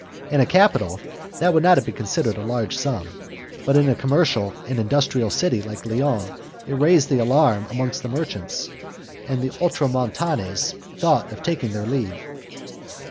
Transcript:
In a capital that would not have been considered a large sum, but in a commercial and industrial city like Lyons it raised the alarm amongst the merchants, and the Ultramontanes thought of taking their leave.